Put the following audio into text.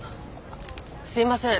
すいません